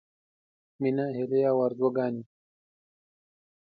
— مينه هيلې او ارزوګانې دي.